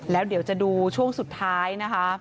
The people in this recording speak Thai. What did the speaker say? แล้วเดี๋ยวจะดูช่วงสุดท้ายนะคะ